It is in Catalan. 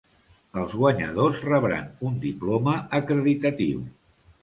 Els guanyadors rebran un diploma acreditatiu.